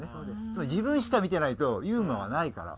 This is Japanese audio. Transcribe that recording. つまり自分しか見ていないとユーモアがないから。